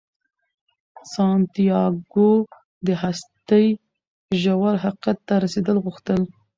سانتیاګو د هستۍ ژور حقیقت ته رسیدل غوښتل.